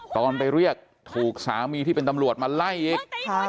ตอนไปเรียกถูกสามีที่เป็นตำรวจมาไล่อีก